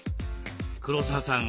黒沢さん